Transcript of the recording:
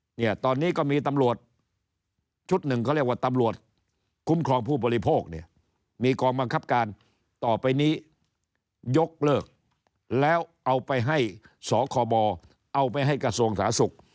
เนี่ยตอนนี้ก็มีตำรวจชุดหนึ่งเขาเรียกว่าตำรวจคุ้มครองผู้บริโภคเนี่ยมีกองบังคับการต่อไปนี้ยกเลิกแล้วเอาไปให้สคบเอาไปให้กระทรวงสาธารณสุข